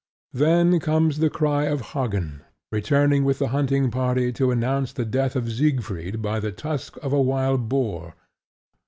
Then comes the cry of Hagen, returning with the hunting party to announce the death of Siegfried by the tusk of a wild boar.